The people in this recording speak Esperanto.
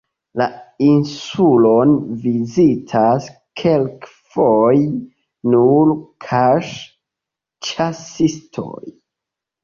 La insulon vizitas kelkfoje nur kaŝ-ĉasistoj.